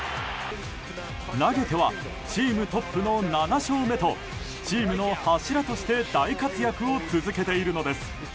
投げてはチームトップの７勝目とチームの柱として大活躍を続けているのです。